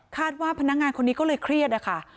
ว่าพนักงานคนนี้ก็เลยเครียดอะค่ะ